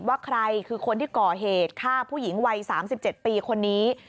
ว่าใครคือคนที่ก่อเหตุฆ่าผู้หญิงวัย๓๗ปีคนนี้